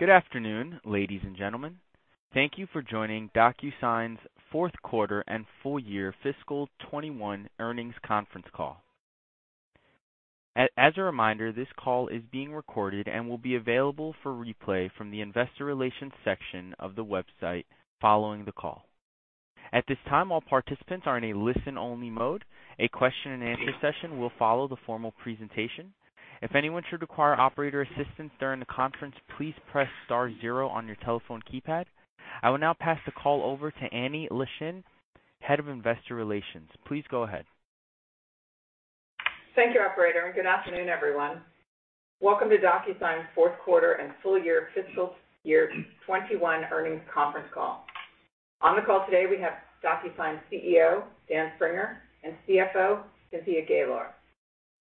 Good afternoon, ladies and gentlemen. Thank you for joining DocuSign's fourth quarter and full year fiscal 2021 earnings conference call. As a reminder, this call is being recorded and will be available for replay from the Investor Relations section of the website following the call. At this time, all participants are in a listen-only mode. A question and answer session will follow the formal presentation. If anyone should require operator assistance during the conference, please press star zero on your telephone keypad. I will now pass the call over to Annie Leschin, Head of Investor Relations. Please go ahead. Thank you, operator, and good afternoon, everyone. Welcome to DocuSign's fourth quarter and full year fiscal year 2021 earnings conference call. On the call today, we have DocuSign CEO, Dan Springer, and CFO, Cynthia Gaylor.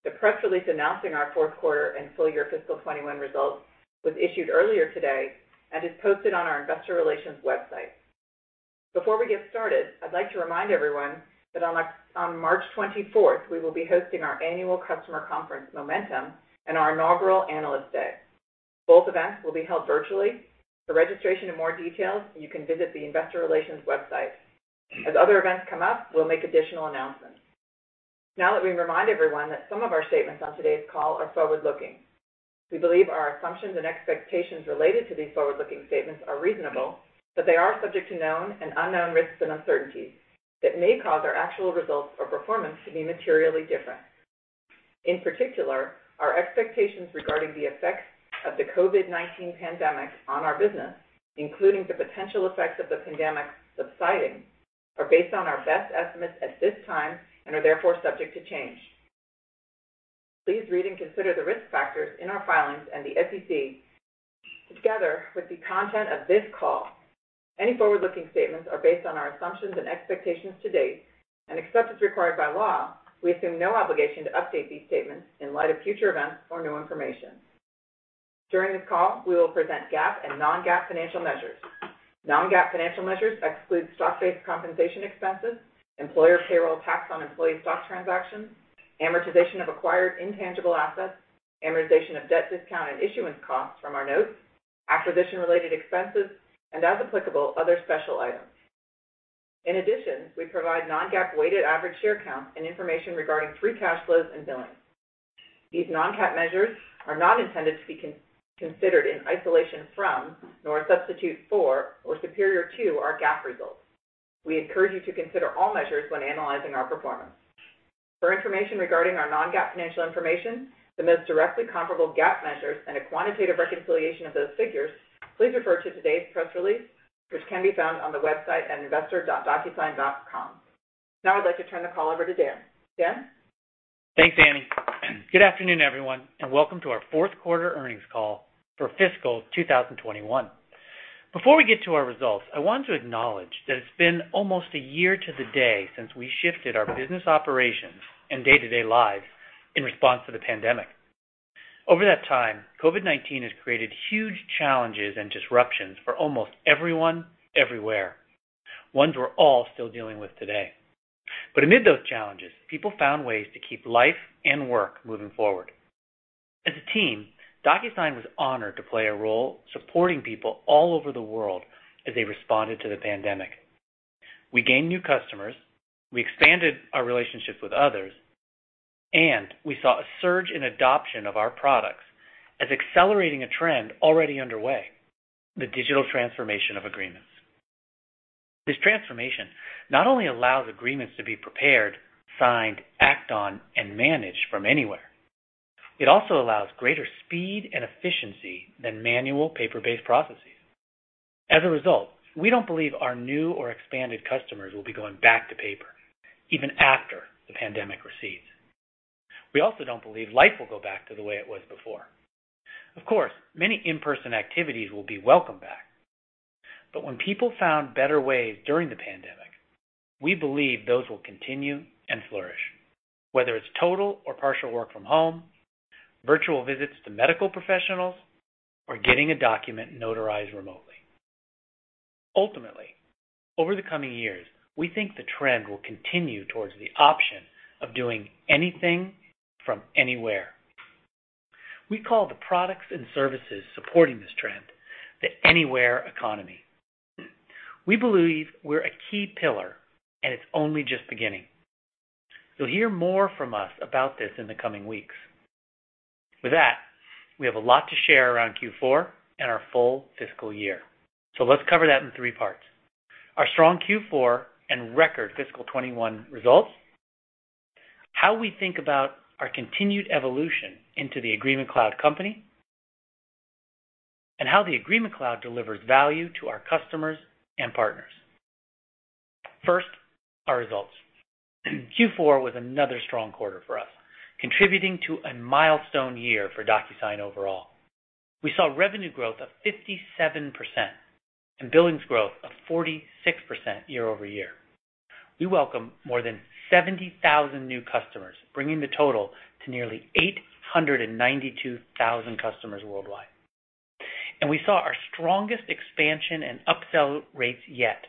The press release announcing our fourth quarter and full year fiscal 2021 results was issued earlier today and is posted on our investor relations website. Before we get started, I'd like to remind everyone that on March 24th, we will be hosting our annual customer conference, Momentum, and our inaugural Analyst Day. Both events will be held virtually. For registration and more details, you can visit the investor relations website. As other events come up, we'll make additional announcements. Let me remind everyone that some of our statements on today's call are forward-looking. We believe our assumptions and expectations related to these forward-looking statements are reasonable, but they are subject to known and unknown risks and uncertainties that may cause our actual results or performance to be materially different. In particular, our expectations regarding the effects of the COVID-19 pandemic on our business, including the potential effects of the pandemic subsiding, are based on our best estimates at this time and are therefore subject to change. Please read and consider the risk factors in our filings and the SEC together with the content of this call. Any forward-looking statements are based on our assumptions and expectations to date, and except as required by law, we assume no obligation to update these statements in light of future events or new information. During this call, we will present GAAP and non-GAAP financial measures. Non-GAAP financial measures exclude stock-based compensation expenses, employer payroll tax on employee stock transactions, amortization of acquired intangible assets, amortization of debt discount and issuance costs from our notes, acquisition-related expenses, and as applicable, other special items. In addition, we provide non-GAAP weighted average share count and information regarding free cash flows and billings. These non-GAAP measures are not intended to be considered in isolation from, nor a substitute for or superior to, our GAAP results. We encourage you to consider all measures when analyzing our performance. For information regarding our non-GAAP financial information, the most directly comparable GAAP measures, and a quantitative reconciliation of those figures, please refer to today's press release, which can be found on the website at investor.docusign.com. Now I'd like to turn the call over to Dan. Dan? Thanks, Annie. Good afternoon, everyone. Welcome to our fourth quarter earnings call for fiscal 2021. Before we get to our results, I want to acknowledge that it's been almost a year to the day since we shifted our business operations and day-to-day lives in response to the pandemic. Over that time, COVID-19 has created huge challenges and disruptions for almost everyone, everywhere, ones we're all still dealing with today. Amid those challenges, people found ways to keep life and work moving forward. As a team, DocuSign was honored to play a role supporting people all over the world as they responded to the pandemic. We gained new customers, we expanded our relationships with others, and we saw a surge in adoption of our products as accelerating a trend already underway, the digital transformation of agreements. This transformation not only allows agreements to be prepared, signed, acted on, and managed from anywhere, it also allows greater speed and efficiency than manual paper-based processes. As a result, we don't believe our new or expanded customers will be going back to paper, even after the pandemic recedes. We also don't believe life will go back to the way it was before. Of course, many in-person activities will be welcome back, but when people found better ways during the pandemic, we believe those will continue and flourish, whether it's total or partial work from home, virtual visits to medical professionals, or getting a document notarized remotely. Ultimately, over the coming years, we think the trend will continue towards the option of doing anything from anywhere. We call the products and services supporting this trend the Anywhere Economy. We believe we're a key pillar, and it's only just beginning. You'll hear more from us about this in the coming weeks. With that, we have a lot to share around Q4 and our full fiscal year. Let's cover that in three parts. Our strong Q4 and record fiscal 2021 results, how we think about our continued evolution into the Agreement Cloud company, and how the Agreement Cloud delivers value to our customers and partners. First, our results. Q4 was another strong quarter for us, contributing to a milestone year for DocuSign overall. We saw revenue growth of 57% and billings growth of 46% year-over-year. We welcomed more than 70,000 new customers, bringing the total to nearly 892,000 customers worldwide. We saw our strongest expansion and upsell rates yet,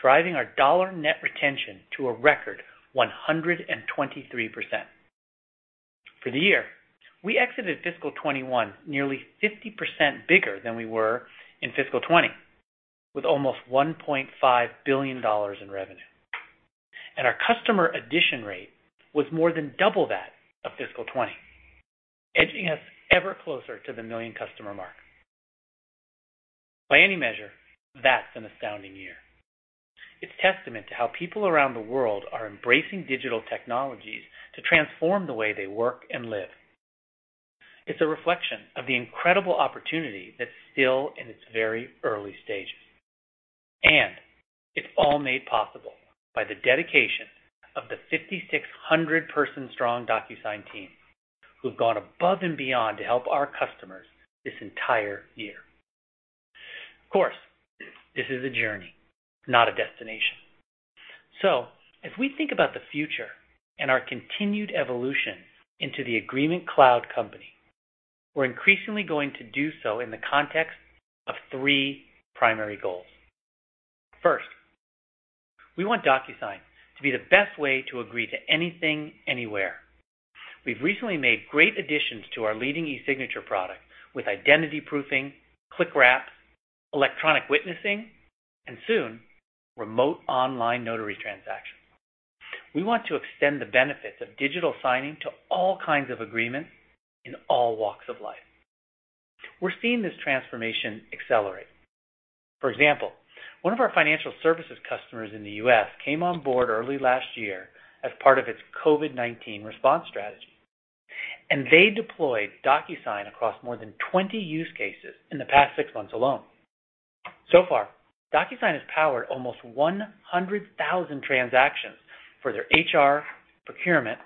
driving our dollar net retention to a record 123%. For the year, we exited fiscal 2021 nearly 50% bigger than we were in fiscal 2020, with almost $1.5 billion in revenue. Our customer addition rate was more than double that of fiscal 2020, edging us ever closer to the million customer mark. By any measure, that's an astounding year. It's testament to how people around the world are embracing digital technologies to transform the way they work and live. It's a reflection of the incredible opportunity that's still in its very early stages. It's all made possible by the dedication of the 5,600-person strong DocuSign team, who've gone above and beyond to help our customers this entire year. Of course, this is a journey, not a destination. As we think about the future and our continued evolution into the Agreement Cloud company, we're increasingly going to do so in the context of three primary goals. First, we want DocuSign to be the best way to agree to anything, anywhere. We've recently made great additions to our leading eSignature product with identity proofing, Clickwrap, electronic witnessing, and soon, remote online notary transactions. We want to extend the benefits of digital signing to all kinds of agreements in all walks of life. We're seeing this transformation accelerate. For example, one of our financial services customers in the U.S. came on board early last year as part of its COVID-19 response strategy, and they deployed DocuSign across more than 20 use cases in the past six months alone. So far, DocuSign has powered almost 100,000 transactions for their HR, procurement,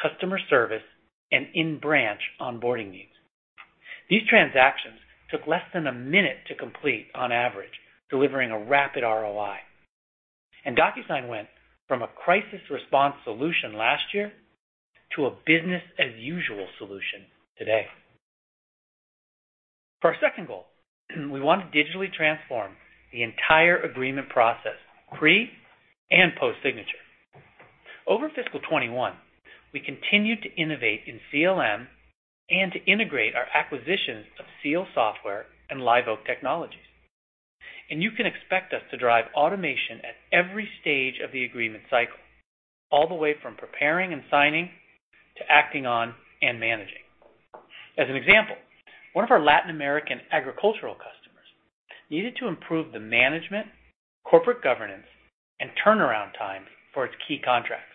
customer service, and in-branch onboarding needs. These transactions took less than a minute to complete on average, delivering a rapid ROI. DocuSign went from a crisis response solution last year to a business as usual solution today. For our second goal, we want to digitally transform the entire agreement process, pre- and post-signature. Over fiscal 2021, we continued to innovate in CLM and to integrate our acquisitions of Seal Software and Liveoak Technologies. You can expect us to drive automation at every stage of the agreement cycle, all the way from preparing and signing to acting on and managing. As an example, one of our Latin American agricultural customers needed to improve the management, corporate governance, and turnaround times for its key contracts,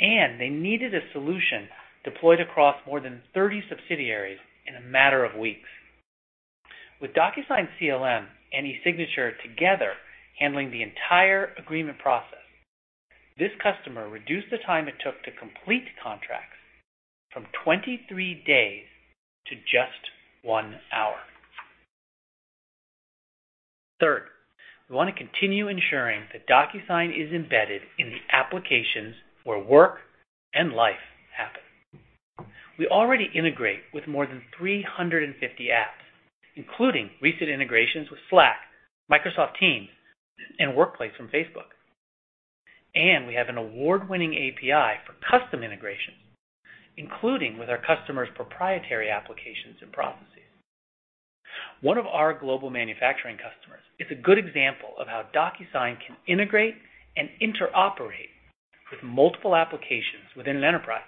and they needed a solution deployed across more than 30 subsidiaries in a matter of weeks. With DocuSign CLM and eSignature together handling the entire agreement process, this customer reduced the time it took to complete contracts from 23 days to just one hour. Third, we want to continue ensuring that DocuSign is embedded in the applications where work and life happen. We already integrate with more than 350 apps, including recent integrations with Slack, Microsoft Teams, and Workplace from Facebook. We have an award-winning API for custom integrations, including with our customers' proprietary applications and processes. One of our global manufacturing customers is a good example of how DocuSign can integrate and interoperate with multiple applications within an enterprise.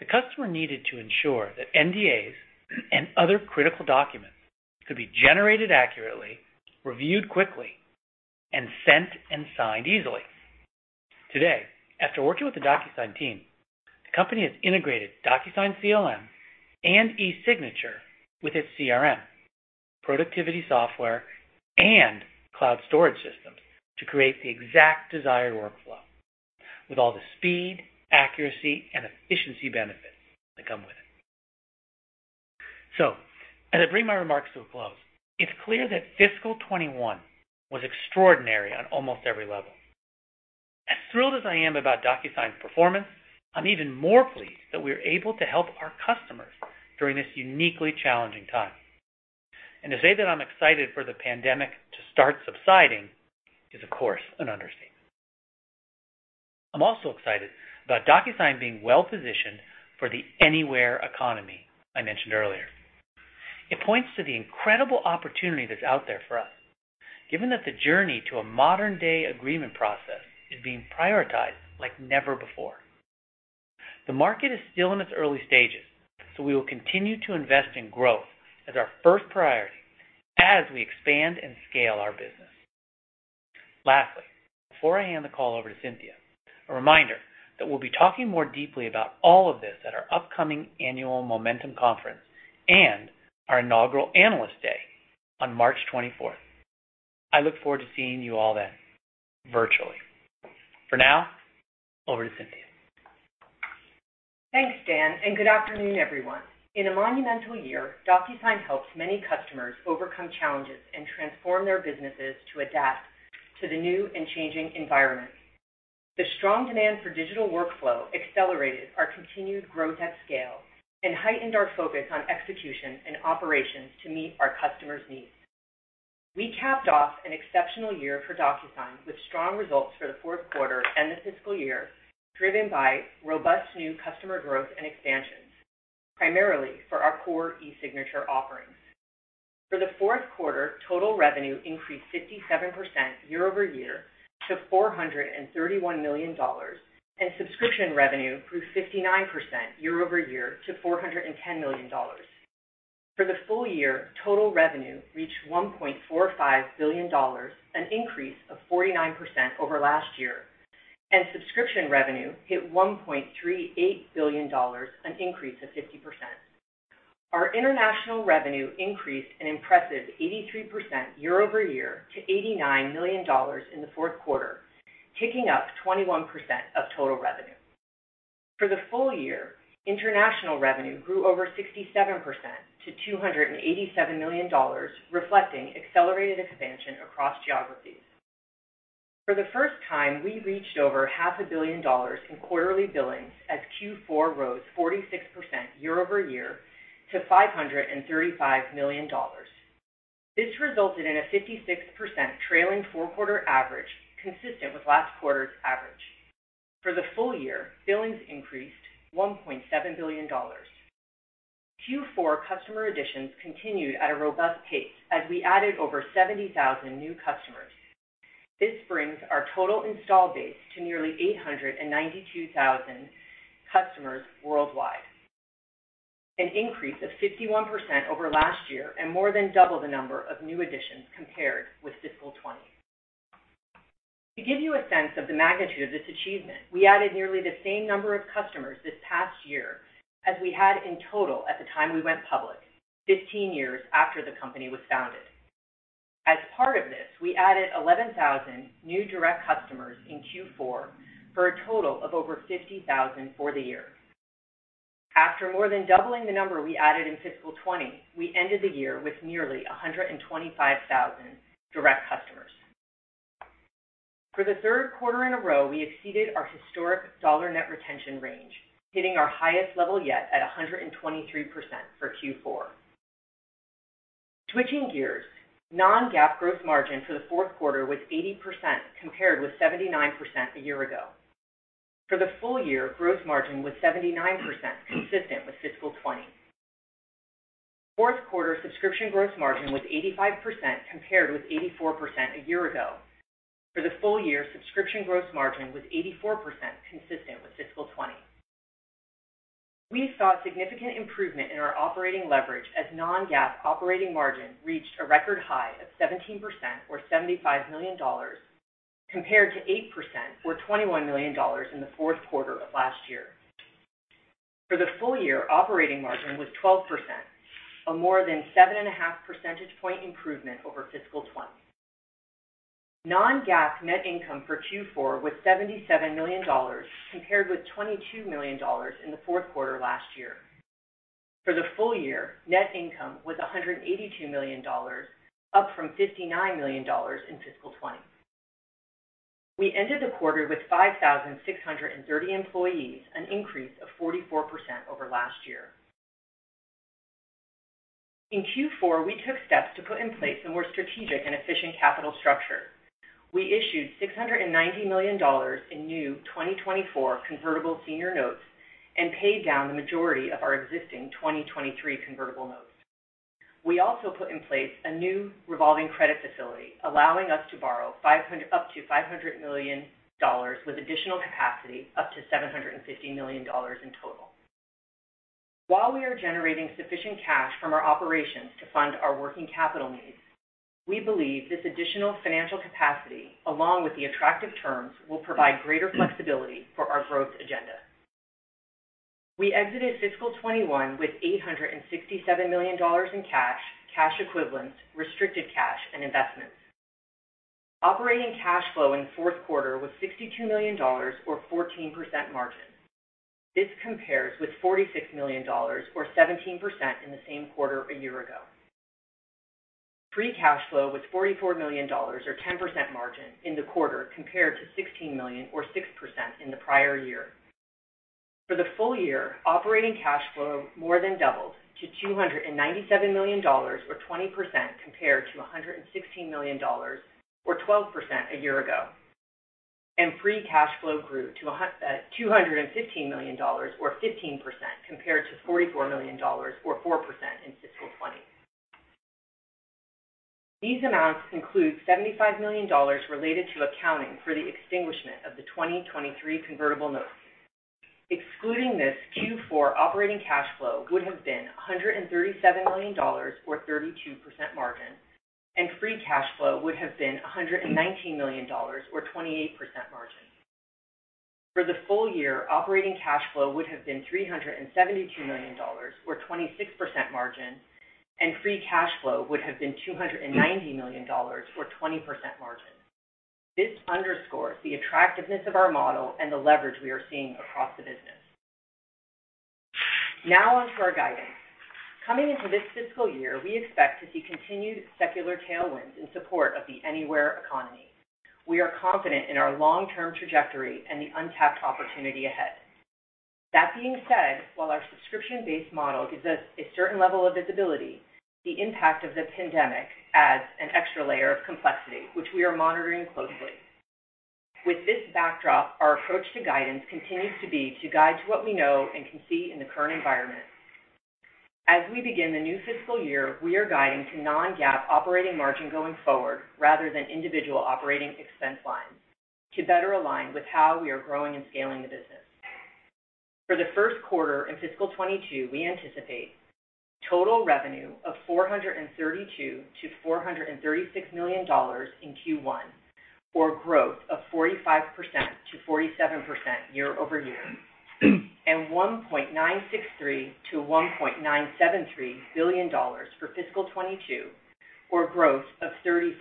The customer needed to ensure that NDAs and other critical documents could be generated accurately, reviewed quickly, and sent and signed easily. Today, after working with the DocuSign team, the company has integrated DocuSign CLM and eSignature with its CRM, productivity software, and cloud storage systems to create the exact desired workflow, with all the speed, accuracy, and efficiency benefits that come with it. As I bring my remarks to a close, it's clear that fiscal 2021 was extraordinary on almost every level. As thrilled as I am about DocuSign's performance, I'm even more pleased that we're able to help our customers during this uniquely challenging time. To say that I'm excited for the pandemic to start subsiding is, of course, an understatement. I'm also excited about DocuSign being well-positioned for the anywhere economy I mentioned earlier. It points to the incredible opportunity that's out there for us, given that the journey to a modern-day agreement process is being prioritized like never before. The market is still in its early stages, so we will continue to invest in growth as our first priority as we expand and scale our business. Lastly, before I hand the call over to Cynthia, a reminder that we'll be talking more deeply about all of this at our upcoming annual Momentum conference and our inaugural Analyst Day on March 24th. I look forward to seeing you all then, virtually. For now, over to Cynthia. Thanks, Dan. Good afternoon, everyone. In a monumental year, DocuSign helps many customers overcome challenges and transform their businesses to adapt to the new and changing environment. The strong demand for digital workflow accelerated our continued growth at scale and heightened our focus on execution and operations to meet our customers' needs. We capped off an exceptional year for DocuSign with strong results for the fourth quarter and the fiscal year, driven by robust new customer growth and expansions, primarily for our core eSignature offerings. For the fourth quarter, total revenue increased 57% year-over-year to $431 million, and subscription revenue grew 59% year-over-year to $410 million. For the full year, total revenue reached $1.45 billion, an increase of 49% over last year, and subscription revenue hit $1.38 billion, an increase of 50%. Our international revenue increased an impressive 83% year-over-year to $89 million in the fourth quarter, taking up 21% of total revenue. For the full year, international revenue grew over 67% to $287 million, reflecting accelerated expansion across geographies. For the first time, we reached over half a billion dollars in quarterly billings as Q4 rose 46% year-over-year to $535 million. This resulted in a 56% trailing four-quarter average, consistent with last quarter's average. For the full year, billings increased $1.7 billion. Q4 customer additions continued at a robust pace as we added over 70,000 new customers. This brings our total installed base to nearly 892,000 customers worldwide, an increase of 51% over last year, and more than double the number of new additions compared with fiscal 2020. To give you a sense of the magnitude of this achievement, we added nearly the same number of customers this past year as we had in total at the time we went public, 15 years after the company was founded. As part of this, we added 11,000 new direct customers in Q4 for a total of over 50,000 for the year. After more than doubling the number we added in fiscal 20, we ended the year with nearly 125,000 direct customers. For the third quarter in a row, we exceeded our historic dollar net retention range, hitting our highest level yet at 123% for Q4. Switching gears, non-GAAP gross margin for the fourth quarter was 80%, compared with 79% a year ago. For the full year, gross margin was 79%, consistent with fiscal 20. Fourth quarter subscription gross margin was 85%, compared with 84% a year ago. For the full year, subscription gross margin was 84%, consistent with fiscal 2020. We saw significant improvement in our operating leverage as non-GAAP operating margin reached a record high of 17%, or $75 million, compared to 8%, or $21 million, in the fourth quarter of last year. For the full year, operating margin was 12%, a more than 7.5 percentage point improvement over fiscal 2020. Non-GAAP net income for Q4 was $77 million, compared with $22 million in the fourth quarter last year. For the full year, net income was $182 million, up from $59 million in fiscal 2020. We ended the quarter with 5,630 employees, an increase of 44% over last year. In Q4, we took steps to put in place a more strategic and efficient capital structure. We issued $690 million in new 2024 convertible senior notes and paid down the majority of our existing 2023 convertible notes. We also put in place a new revolving credit facility, allowing us to borrow up to $500 million with additional capacity up to $750 million in total. While we are generating sufficient cash from our operations to fund our working capital needs, we believe this additional financial capacity, along with the attractive terms, will provide greater flexibility for our growth agenda. We exited fiscal 2021 with $867 million in cash equivalents, restricted cash, and investments. Operating cash flow in the fourth quarter was $62 million, or 14% margin. This compares with $46 million, or 17%, in the same quarter a year ago. Free cash flow was $44 million, or 10% margin, in the quarter, compared to $16 million, or 6%, in the prior year. For the full year, operating cash flow more than doubled to $297 million, or 20%, compared to $116 million, or 12%, a year ago. Free cash flow grew to $215 million, or 15%, compared to $44 million, or 4%, in fiscal 2020. These amounts include $75 million related to accounting for the extinguishment of the 2023 convertible notes. Excluding this, Q4 operating cash flow would have been $137 million, or 32% margin, and free cash flow would have been $119 million, or 28% margin. For the full year, operating cash flow would have been $372 million, or 26% margin, and free cash flow would have been $290 million, or 20% margin. This underscores the attractiveness of our model and the leverage we are seeing across the business. Now on to our guidance. Coming into this fiscal year, we expect to see continued secular tailwinds in support of the anywhere economy. We are confident in our long-term trajectory and the untapped opportunity ahead. That being said, while our subscription-based model gives us a certain level of visibility, the impact of the pandemic adds an extra layer of complexity, which we are monitoring closely. With this backdrop, our approach to guidance continues to be to guide to what we know and can see in the current environment. As we begin the new fiscal year, we are guiding to non-GAAP operating margin going forward rather than individual operating expense lines to better align with how we are growing and scaling the business. For the first quarter in fiscal 2022, we anticipate total revenue of $432 million-$436 million in Q1, or growth of 45%-47% year-over-year, and $1.963 billion-$1.973 billion for fiscal 2022, or growth of 35%-36%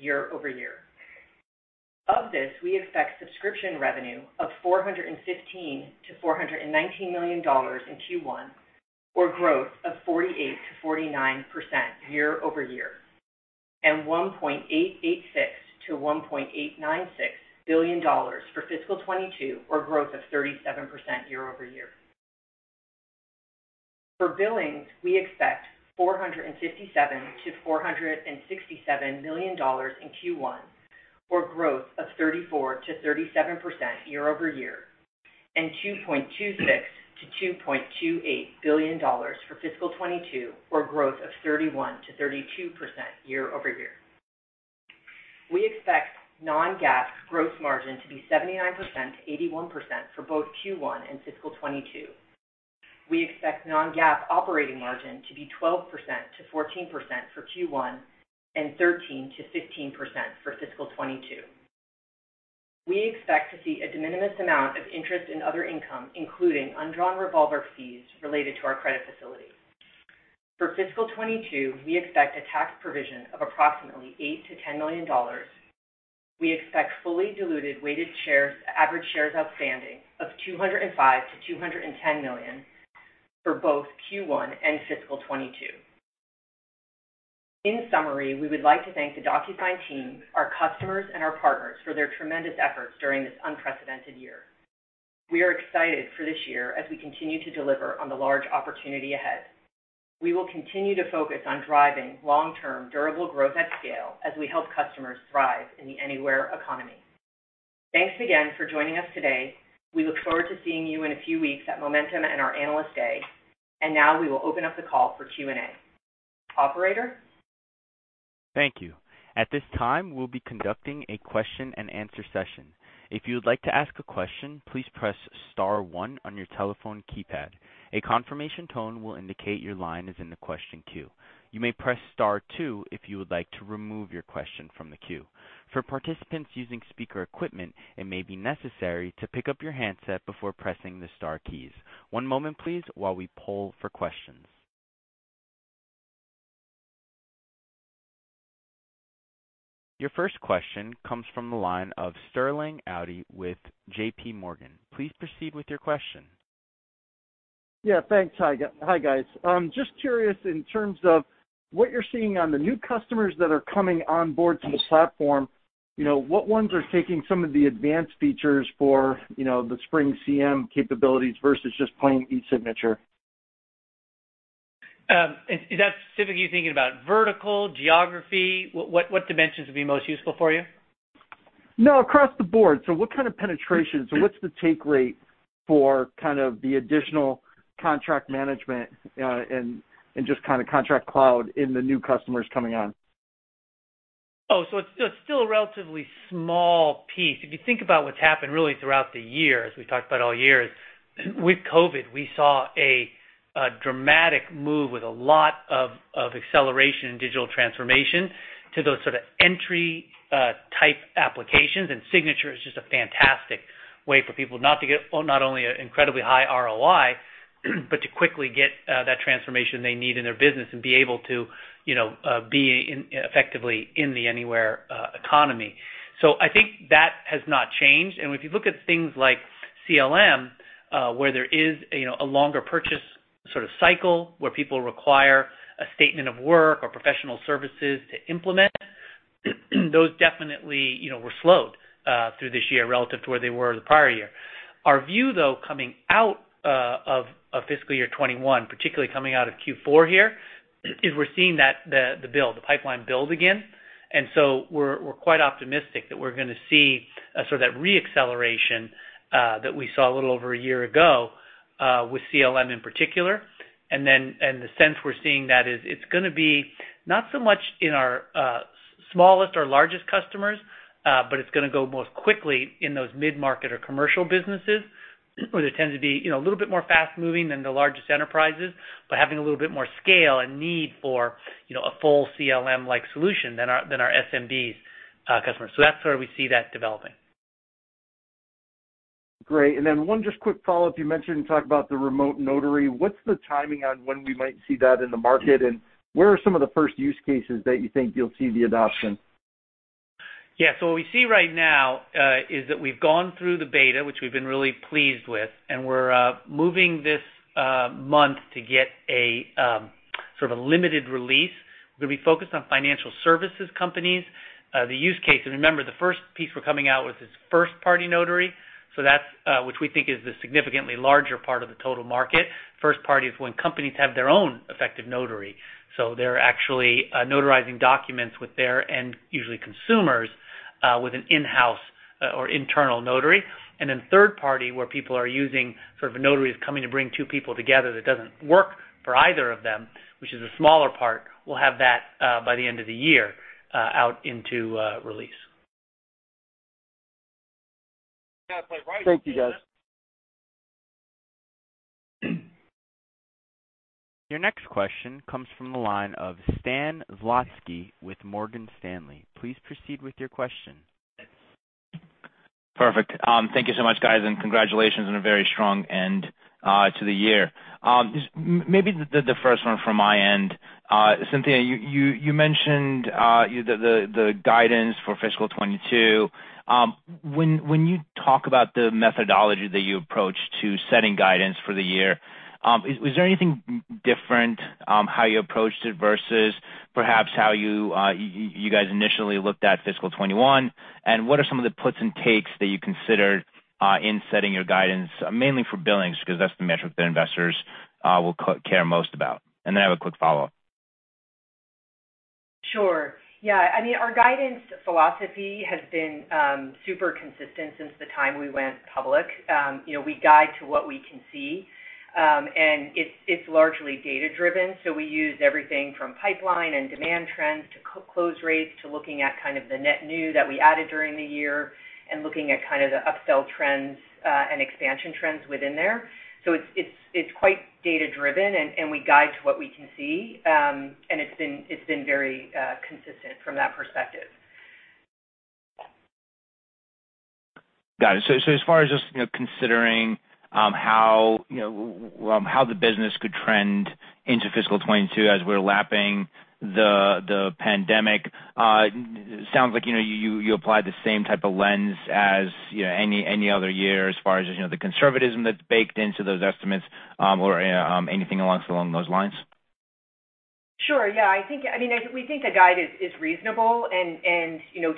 year-over-year. Of this, we expect subscription revenue of $415 million-$419 million in Q1, or growth of 48%-49% year-over-year, and $1.886 billion-$1.896 billion for fiscal 2022, or growth of 37% year-over-year. For billings, we expect $457 million-$467 million in Q1, or growth of 34%-37% year-over-year, and $2.26 billion-$2.28 billion for fiscal 2022 or growth of 31%-32% year-over-year. We expect non-GAAP gross margin to be 79%-81% for both Q1 and fiscal 2022. We expect non-GAAP operating margin to be 12%-14% for Q1 and 13%-15% for fiscal 2022. We expect to see a de minimis amount of interest and other income, including undrawn revolver fees related to our credit facility. For fiscal 2022, we expect a tax provision of approximately $8 million-$10 million. We expect fully diluted weighted average shares outstanding of 205 million-210 million for both Q1 and fiscal 2022. In summary, we would like to thank the DocuSign team, our customers, and our partners for their tremendous efforts during this unprecedented year. We are excited for this year as we continue to deliver on the large opportunity ahead. We will continue to focus on driving long-term durable growth at scale as we help customers thrive in the anywhere economy. Thanks again for joining us today. We look forward to seeing you in a few weeks at Momentum and our Analyst Day. Now we will open up the call for Q&A. Operator? Thank you. At this time, we'll be conducting a question and answer session. If you would like to ask a question, please press star one on your telephone keypad. A confirmation tone will indicate your line is in the question queue. You may press star two if you would like to remove your question from the queue. For participants using speaker equipment, it may be necessary to pick up your handset before pressing the star keys. One moment, please, while we poll for questions. Your first question comes from the line of Sterling Auty with JPMorgan. Please proceed with your question. Yeah. Thanks. Hi guys. Just curious in terms of what you're seeing on the new customers that are coming on board to the platform, what ones are taking some of the advanced features for the SpringCM capabilities versus just plain eSignature? Is that specifically you thinking about vertical, geography? What dimensions would be most useful for you? No, across the board. What's the take rate for kind of the additional contract management, and just kind of Agreement Cloud in the new customers coming on? It's still a relatively small piece. You think about what's happened really throughout the year, as we talked about all year, with COVID-19, we saw a dramatic move with a lot of acceleration in digital transformation to those sort of entry type applications, and signature is just a fantastic way for people not only an incredibly high ROI, but to quickly get that transformation they need in their business and be able to be effectively in the anywhere economy. I think that has not changed. If you look at things like CLM, where there is a longer purchase sort of cycle where people require a statement of work or professional services to implement, those definitely were slowed through this year relative to where they were the prior year. Our view, though, coming out of fiscal year 2021, particularly coming out of Q4 here, is we're seeing the build, the pipeline build again. We're quite optimistic that we're going to see sort of that re-acceleration that we saw a little over a year ago with CLM in particular. The sense we're seeing that is it's going to be not so much in our smallest or largest customers, but it's going to go most quickly in those mid-market or commercial businesses, where they tend to be a little bit more fast-moving than the largest enterprises, but having a little bit more scale and need for a full CLM-like solution than our SMB customers. That's where we see that developing. Great. One just quick follow-up. You mentioned and talked about the remote notary. What's the timing on when we might see that in the market, and where are some of the first use cases that you think you'll see the adoption? Yeah. What we see right now is that we've gone through the beta, which we've been really pleased with, and we're moving this month to get a sort of a limited release. We're going to be focused on financial services companies, the use case. Remember, the first piece we're coming out with is first-party notary, which we think is the significantly larger part of the total market. First party is when companies have their own effective notary, so they're actually notarizing documents with their, and usually consumers, with an in-house or internal notary. Then third party, where people are using a notary who's coming to bring two people together, that doesn't work for either of them, which is a smaller part. We'll have that by the end of the year out into release. Thank you, guys. Your next question comes from the line of Stan Zlotsky with Morgan Stanley. Please proceed with your question. Perfect. Thank you so much, guys, and congratulations on a very strong end to the year. Maybe the first one from my end. Cynthia, you mentioned the guidance for fiscal 2022. When you talk about the methodology that you approach to setting guidance for the year, was there anything different how you approached it versus perhaps how you guys initially looked at fiscal 2021? What are some of the puts and takes that you considered in setting your guidance, mainly for billings, because that's the metric that investors will care most about. Then I have a quick follow-up. Sure. Yeah. Our guidance philosophy has been super consistent since the time we went public. We guide to what we can see, and it's largely data-driven. We use everything from pipeline and demand trends to close rates, to looking at the net new that we added during the year, and looking at the upsell trends, and expansion trends within there. It's quite data-driven, and we guide to what we can see. It's been very consistent from that perspective. Got it. As far as just considering how the business could trend into fiscal 2022 as we're lapping the pandemic, sounds like you apply the same type of lens as any other year as far as the conservatism that's baked into those estimates, or anything along those lines. Sure. Yeah. We think the guide is reasonable,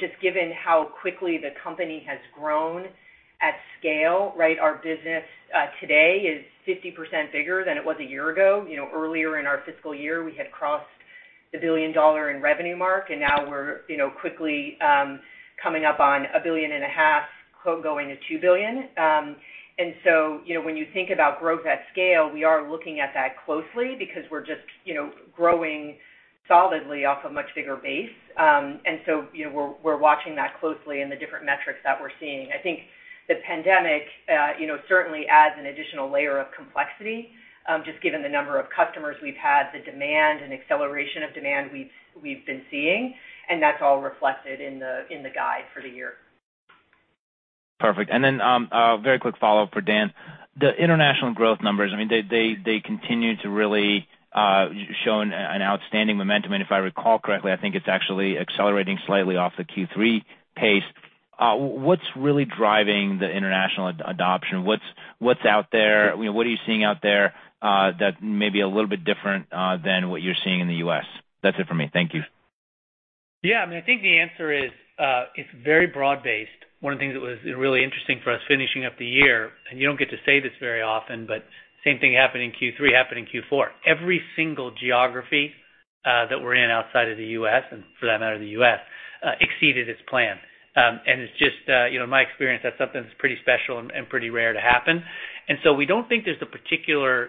just given how quickly the company has grown at scale, right? Our business today is 50% bigger than it was a year ago. Earlier in our fiscal year, we had crossed the billion dollar in revenue mark, now we're quickly coming up on a billion and a half, going to $2 billion. When you think about growth at scale, we are looking at that closely because we're just growing solidly off a much bigger base. We're watching that closely and the different metrics that we're seeing. I think the pandemic certainly adds an additional layer of complexity, just given the number of customers we've had, the demand, acceleration of demand we've been seeing. That's all reflected in the guide for the year. Perfect. A very quick follow-up for Dan. The international growth numbers, they continue to really show an outstanding momentum. If I recall correctly, I think it's actually accelerating slightly off the Q3 pace. What's really driving the international adoption? What's out there? What are you seeing out there that may be a little bit different than what you're seeing in the U.S.? That's it for me. Thank you. Yeah, I think the answer is it's very broad-based. One of the things that was really interesting for us finishing up the year, and you don't get to say this very often, same thing happened in Q3, happened in Q4. Every single geography that we're in outside of the U.S., and for that matter, the U.S., exceeded its plan. In my experience, that's something that's pretty special and pretty rare to happen. We don't think there's a particular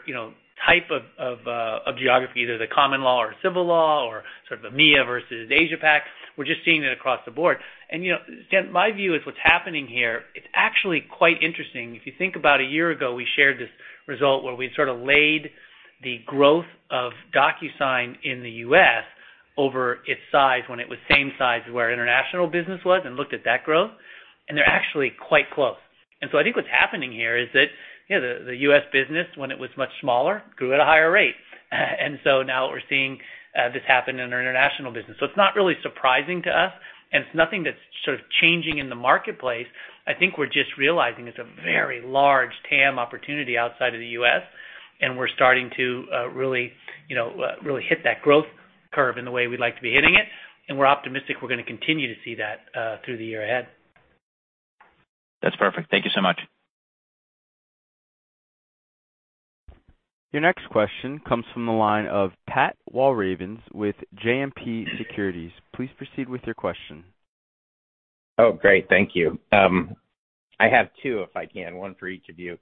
type of geography, either the common law or civil law or sort of EMEA versus Asia-Pac. We're just seeing it across the board. Stan, my view is what's happening here, it's actually quite interesting. If you think about a year ago, we shared this result where we sort of laid the growth of DocuSign in the U.S. over its size when it was same size as where our international business was and looked at that growth, they're actually quite close. I think what's happening here is that the U.S. business, when it was much smaller, grew at a higher rate. Now we're seeing this happen in our international business. It's not really surprising to us, and it's nothing that's sort of changing in the marketplace. I think we're just realizing it's a very large TAM opportunity outside of the U.S., and we're starting to really hit that growth curve in the way we'd like to be hitting it. We're optimistic we're going to continue to see that through the year ahead. That's perfect. Thank you so much. Your next question comes from the line of Pat Walravens with JMP Securities. Please proceed with your question. Oh, great. Thank you. I have two, if I can, one for each of you.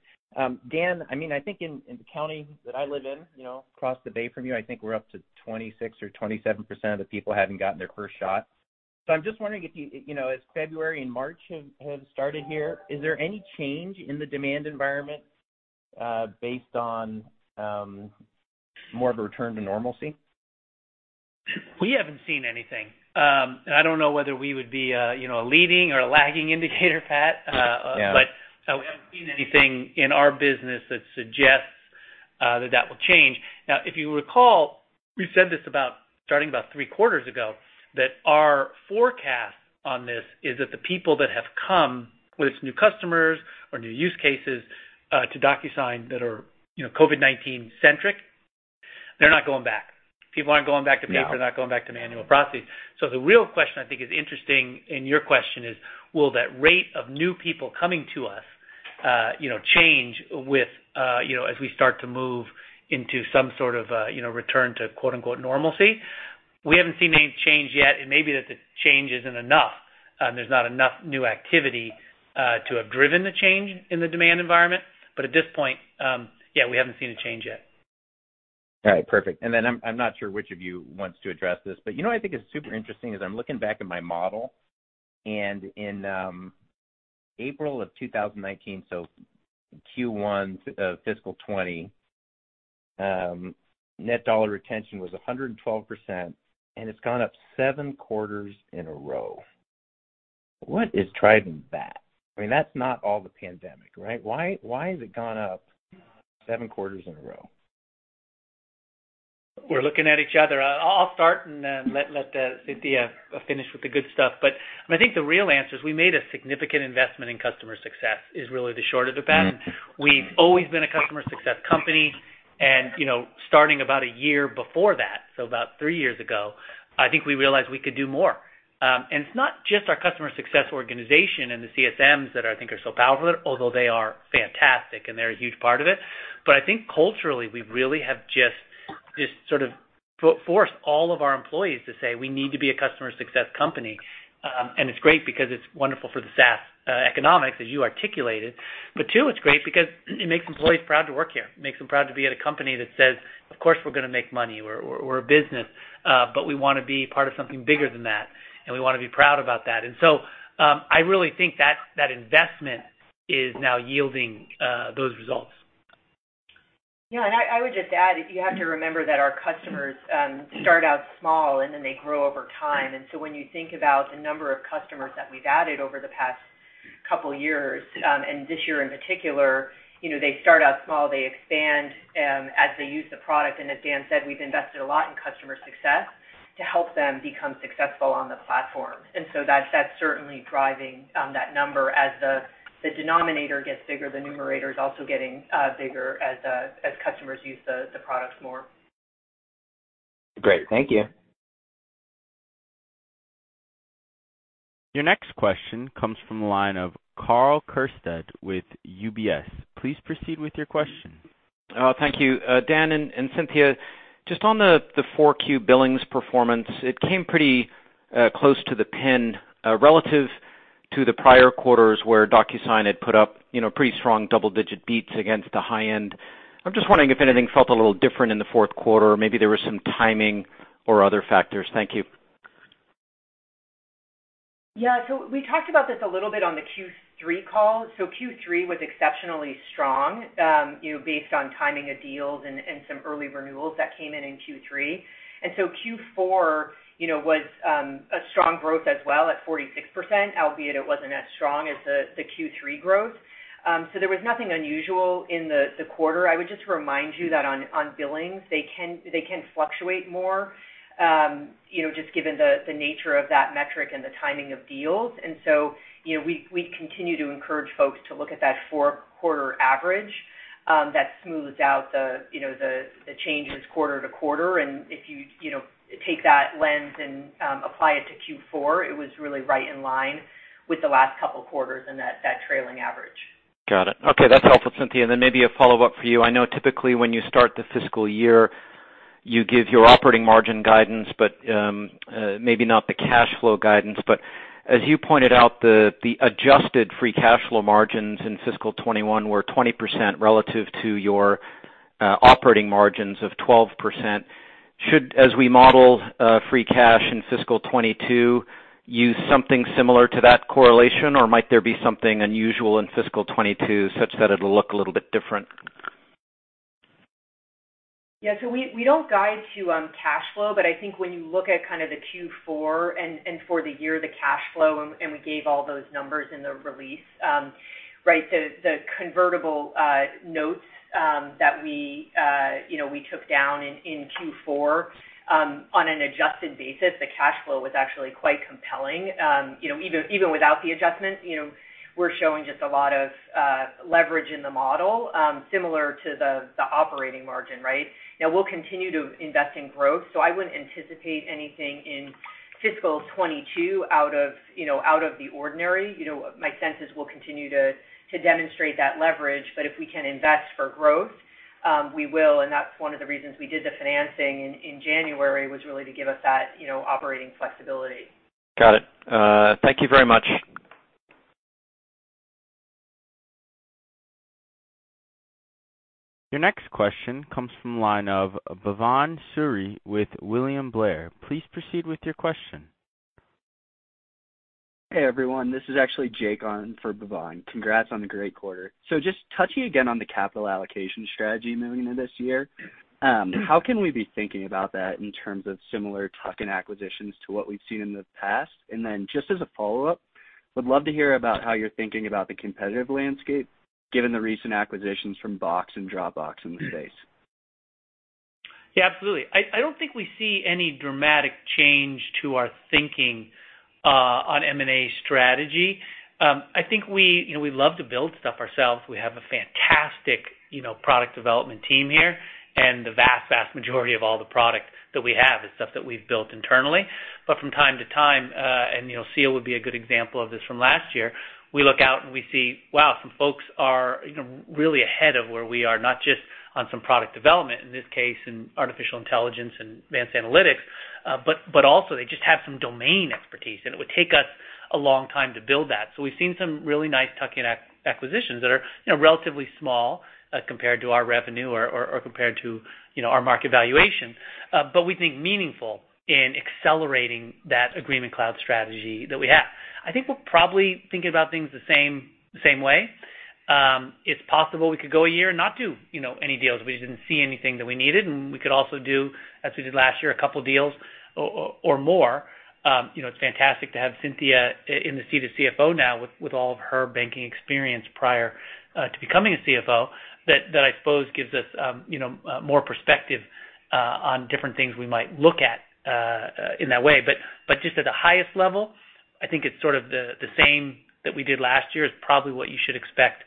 Dan, I think in the county that I live in, across the bay from you, I think we're up to 26% or 27% of the people haven't gotten their first shot. I'm just wondering if as February and March have started here, is there any change in the demand environment based on more of a return to normalcy? We haven't seen anything. I don't know whether we would be a leading or a lagging indicator, Pat. Yeah. We haven't seen anything in our business that suggests that that will change. If you recall, we said this starting about three quarters ago, that our forecast on this is that the people that have come, whether it's new customers or new use cases to DocuSign that are COVID-19 centric, they're not going back. People aren't going back to paper. No. They're not going back to manual processes. The real question I think is interesting in your question is, will that rate of new people coming to us change as we start to move into some sort of return to quote unquote "normalcy"? We haven't seen any change yet. It may be that the change isn't enough. There's not enough new activity to have driven the change in the demand environment. At this point, yeah, we haven't seen a change yet. All right, perfect. I'm not sure which of you wants to address this, but you know what I think is super interesting is I'm looking back at my model, and in April 2019, so Q1 of fiscal 2020, dollar net retention was 112%, and it's gone up seven quarters in a row. What is driving that? That's not all the pandemic, right? Why has it gone up seven quarters in a row? We're looking at each other. I'll start and then let Cynthia finish with the good stuff. I think the real answer is we made a significant investment in customer success is really the short of the bat. We've always been a customer success company. Starting about a year before that, so about three years ago, I think we realized we could do more. It's not just our customer success organization and the CSMs that I think are so powerful, although they are fantastic and they're a huge part of it, but I think culturally, we really have just sort of forced all of our employees to say, we need to be a customer success company. It's great because it's wonderful for the SaaS economics, as you articulated, but two, it's great because it makes employees proud to work here. It makes them proud to be at a company that says, "Of course, we're going to make money. We're a business, but we want to be part of something bigger than that, and we want to be proud about that." I really think that investment is now yielding those results. Yeah, I would just add, you have to remember that our customers start out small, and then they grow over time. When you think about the number of customers that we've added over the past couple of years, and this year in particular, they start out small, they expand, as they use the product, and as Dan said, we've invested a lot in customer success to help them become successful on the platform. That's certainly driving that number. As the denominator gets bigger, the numerator is also getting bigger as customers use the products more. Great. Thank you. Your next question comes from the line of Karl Keirstead with UBS. Please proceed with your question. Thank you. Dan and Cynthia, just on the 4Q billings performance, it came pretty close to the pin, relative to the prior quarters where DocuSign had put up pretty strong double-digit beats against the high end. I'm just wondering if anything felt a little different in the fourth quarter, or maybe there was some timing or other factors. Thank you. Yeah. We talked about this a little bit on the Q3 call. Q3 was exceptionally strong, based on timing of deals and some early renewals that came in in Q3. Q4 was a strong growth as well at 46%, albeit it wasn't as strong as the Q3 growth. There was nothing unusual in the quarter. I would just remind you that on billings, they can fluctuate more, just given the nature of that metric and the timing of deals. We continue to encourage folks to look at that four-quarter average. That smooths out the changes quarter to quarter. If you take that lens and apply it to Q4, it was really right in line with the last couple of quarters and that trailing average. Got it. Okay. That's helpful, Cynthia. Maybe a follow-up for you. I know typically when you start the fiscal year, you give your operating margin guidance, but maybe not the cash flow guidance. As you pointed out, the adjusted free cash flow margins in fiscal 2021 were 20% relative to your operating margins of 12%. Should, as we model free cash in fiscal 2022, use something similar to that correlation, or might there be something unusual in fiscal 2022 such that it'll look a little bit different? We don't guide to cash flow, but I think when you look at kind of the Q4 and for the year, the cash flow, and we gave all those numbers in the release. The convertible notes that we took down in Q4, on an adjusted basis, the cash flow was actually quite compelling. Even without the adjustment, we're showing just a lot of leverage in the model, similar to the operating margin, right? We'll continue to invest in growth, so I wouldn't anticipate anything in fiscal 2022 out of the ordinary. My sense is we'll continue to demonstrate that leverage, but if we can invest for growth, we will, and that's one of the reasons we did the financing in January, was really to give us that operating flexibility. Got it. Thank you very much. Your next question comes from the line of Bhavan Suri with William Blair. Please proceed with your question. Hey, everyone. This is actually Jake on for Bhavan. Congrats on the great quarter. Just touching again on the capital allocation strategy moving into this year, how can we be thinking about that in terms of similar tuck-in acquisitions to what we've seen in the past? Just as a follow-up, would love to hear about how you're thinking about the competitive landscape given the recent acquisitions from Box and Dropbox in the space. Yeah, absolutely. I don't think we see any dramatic change to our thinking on M&A strategy. I think we love to build stuff ourselves. We have a fantastic product development team here, and the vast majority of all the products that we have is stuff that we've built internally. From time to time, and Seal would be a good example of this from last year, we look out and we see, wow, some folks are really ahead of where we are, not just on some product development, in this case, in artificial intelligence and advanced analytics, but also they just have some domain expertise, and it would take us a long time to build that. We've seen some really nice tuck-in acquisitions that are relatively small compared to our revenue or compared to our market valuation, but we think meaningful in accelerating that Agreement Cloud strategy that we have. I think we'll probably think about things the same way. It's possible we could go a year and not do any deals if we didn't see anything that we needed, and we could also do, as we did last year, a couple deals or more. It's fantastic to have Cynthia in the seat of CFO now with all of her banking experience prior to becoming a CFO. That, I suppose, gives us more perspective on different things we might look at in that way. Just at the highest level, I think it's sort of the same that we did last year is probably what you should expect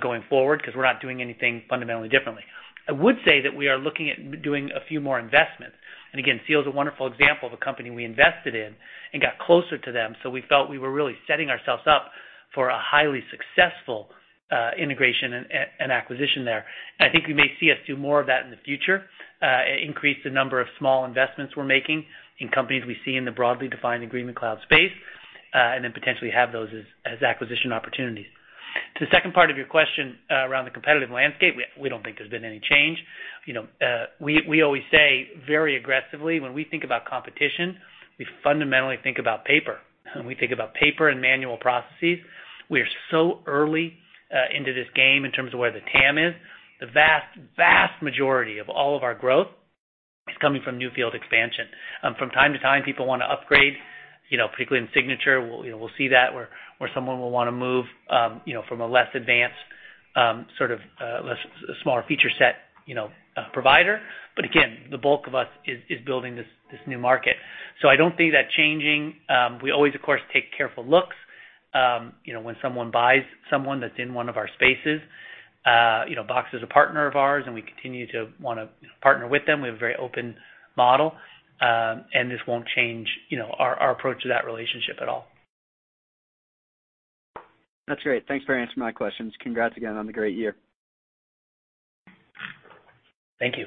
going forward because we're not doing anything fundamentally differently. I would say that we are looking at doing a few more investments. Again, Seal is a wonderful example of a company we invested in and got closer to them, so we felt we were really setting ourselves up for a highly successful integration and acquisition there. I think you may see us do more of that in the future, increase the number of small investments we're making in companies we see in the broadly defined Agreement Cloud space, and then potentially have those as acquisition opportunities. To the second part of your question around the competitive landscape, we don't think there's been any change. We always say very aggressively when we think about competition, we fundamentally think about paper. We think about paper and manual processes. We are so early into this game in terms of where the TAM is. The vast majority of all of our growth is coming from new field expansion. From time to time, people want to upgrade, particularly in signature. We'll see that where someone will want to move from a less advanced, sort of a smaller feature set provider. Again, the bulk of us is building this new market. I don't see that changing. We always, of course, take careful looks when someone buys someone that's in one of our spaces. Box is a partner of ours, and we continue to want to partner with them. We have a very open model, and this won't change our approach to that relationship at all. That's great. Thanks for answering my questions. Congrats again on the great year. Thank you.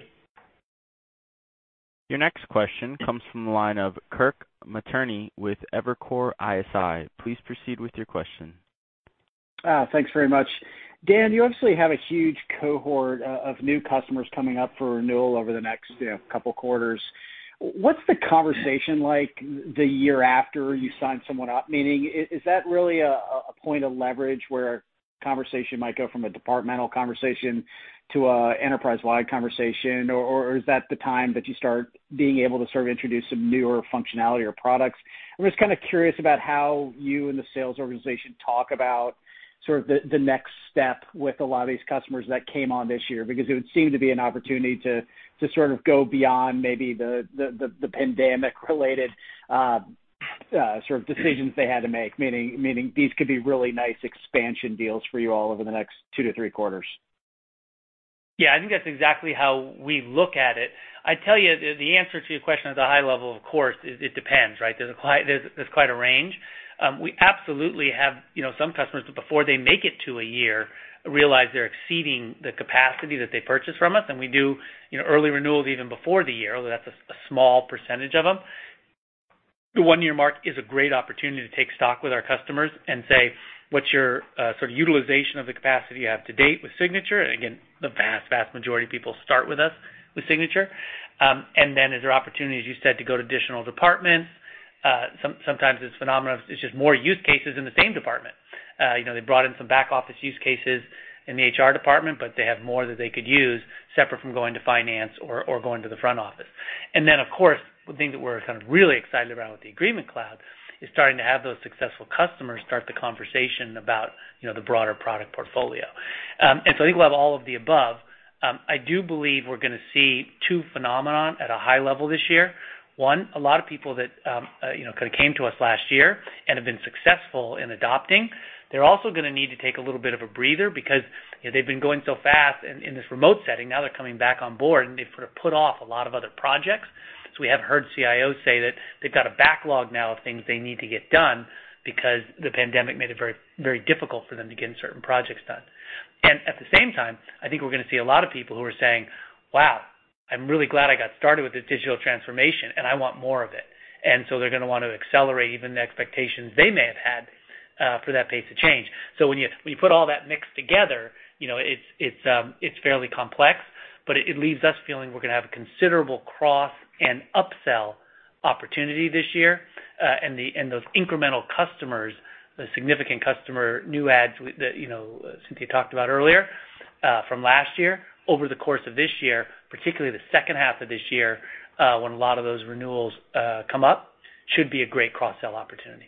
Your next question comes from the line of Kirk Materne with Evercore ISI. Please proceed with your question. Thanks very much. Dan, you obviously have a huge cohort of new customers coming up for renewal over the next couple quarters. What's the conversation like the year after you sign someone up? Meaning, is that really a point of leverage where a conversation might go from a departmental conversation to an enterprise-wide conversation? Or is that the time that you start being able to sort of introduce some newer functionality or products? I'm just kind of curious about how you and the sales organization talk about sort of the next step with a lot of these customers that came on this year, because it would seem to be an opportunity to sort of go beyond maybe the pandemic-related sort of decisions they had to make, meaning these could be really nice expansion deals for you all over the next two to three quarters. Yeah, I think that's exactly how we look at it. I tell you the answer to your question at the high level, of course, is it depends, right? There's quite a range. We absolutely have some customers that before they make it to a year, realize they're exceeding the capacity that they purchase from us, and we do early renewals even before the year, although that's a small percentage of them. The one-year mark is a great opportunity to take stock with our customers and say, "What's your sort of utilization of the capacity you have to date with Signature?" Again, the vast majority of people start with us with Signature. Is there opportunities, as you said, to go to additional departments? Sometimes this phenomenon is just more use cases in the same department. They brought in some back-office use cases in the HR department, but they have more that they could use separate from going to finance or going to the front office. Then, of course, the thing that we're kind of really excited about with the Agreement Cloud is starting to have those successful customers start the conversation about the broader product portfolio. I think we'll have all of the above. I do believe we're going to see two phenomenon at a high level this year. One, a lot of people that kind of came to us last year and have been successful in adopting, they're also going to need to take a little bit of a breather because they've been going so fast in this remote setting. Now they're coming back on board, and they've sort of put off a lot of other projects. We have heard CIOs say that they've got a backlog now of things they need to get done because the pandemic made it very difficult for them to get certain projects done. At the same time, I think we're going to see a lot of people who are saying, "Wow, I'm really glad I got started with this digital transformation, and I want more of it." They're going to want to accelerate even the expectations they may have had for that pace of change. When you put all that mix together, it's fairly complex, but it leaves us feeling we're going to have a considerable cross and upsell opportunity this year. Those incremental customers, the significant customer new adds that Cynthia talked about earlier from last year over the course of this year, particularly the second half of this year, when a lot of those renewals come up, should be a great cross-sell opportunity.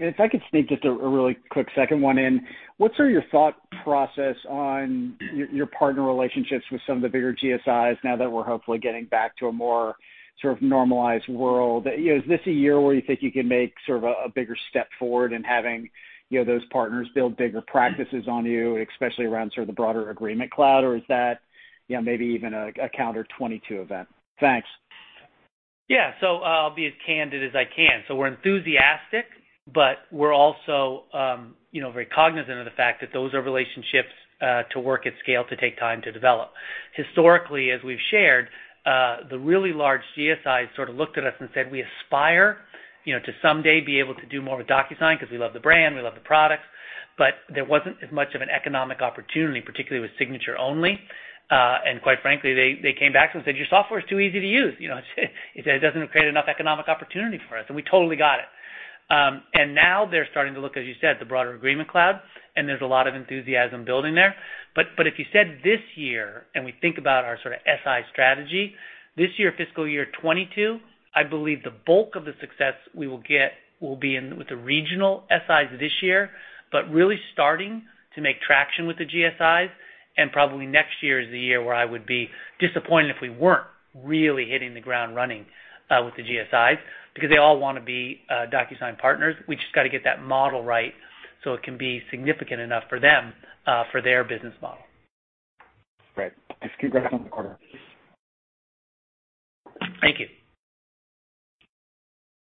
If I could sneak just a really quick second one in. What's your thought process on your partner relationships with some of the bigger GSIs now that we're hopefully getting back to a more sort of normalized world? Is this a year where you think you can make sort of a bigger step forward in having those partners build bigger practices on you, especially around sort of the broader Agreement Cloud? Is that maybe even a counter 2022 event? Thanks. Yeah. I'll be as candid as I can. We're enthusiastic, but we're also very cognizant of the fact that those are relationships, to work at scale, to take time to develop. Historically, as we've shared, the really large GSIs sort of looked at us and said, "We aspire to someday be able to do more with DocuSign because we love the brand, we love the products," but there wasn't as much of an economic opportunity, particularly with signature only. Quite frankly, they came back and said, "Your software is too easy to use." They said, "It doesn't create enough economic opportunity for us," and we totally got it. Now they're starting to look, as you said, the broader Agreement Cloud, and there's a lot of enthusiasm building there. If you said this year, and we think about our sort of SI strategy, this year, fiscal year 2022, I believe the bulk of the success we will get will be in with the regional SIs this year, but really starting to make traction with the GSIs. Probably next year is the year where I would be disappointed if we weren't really hitting the ground running with the GSIs because they all want to be DocuSign partners. We've just got to get that model right so it can be significant enough for them, for their business model. Right. Thanks. Keep rocking the quarter. Thank you.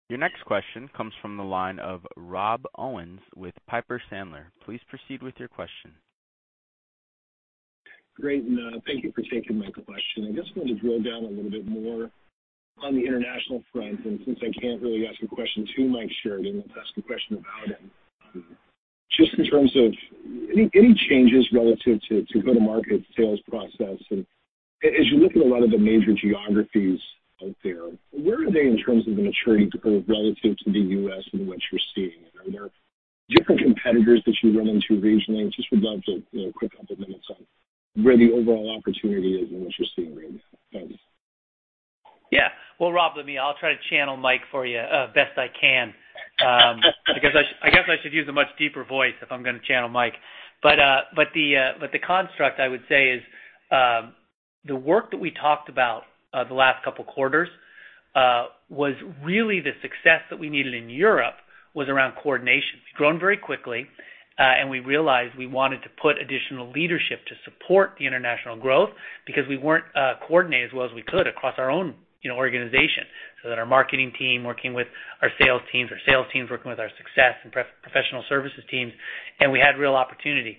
Your next question comes from the line of Rob Owens with Piper Sandler. Please proceed with your question. Great, thank you for taking my question. I just wanted to drill down a little bit more on the international front, since I can't really ask a question to Michael Sheridan, I'll ask a question about him. Just in terms of any changes relative to go-to-market sales process. As you look at a lot of the major geographies out there, where are they in terms of the maturity or relative to the U.S. and what you're seeing? Are there different competitors that you run into regionally? Just would love to get a quick couple of minutes on where the overall opportunity is and what you're seeing right now. Thanks. Well, Rob, let me, I'll try to channel Mike for you best I can. I guess I should use a much deeper voice if I'm gonna channel Mike. The construct I would say is, the work that we talked about the last couple of quarters, was really the success that we needed in Europe was around coordination. It's grown very quickly, we realized we wanted to put additional leadership to support the international growth because we weren't coordinated as well as we could across our own organization, so that our marketing team working with our sales teams, our sales teams working with our success and professional services teams, we had real opportunity.